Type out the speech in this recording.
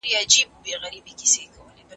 قلم وکاروه،